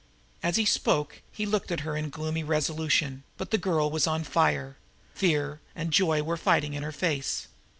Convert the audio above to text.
As he spoke he looked at her in gloomy resolution, but the girl was on fire fear and joy were fighting in her face.